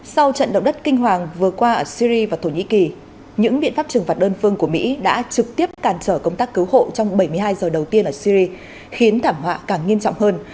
sau trận động đất kinh hoàng vừa qua ở syri và thổ nhĩ kỳ những biện pháp trừng phạt đơn phương của mỹ đã trực tiếp cản trở công tác cứu hộ trong bảy mươi hai giờ đầu tiên ở syri khiến thảm họa càng nghiêm trọng hơn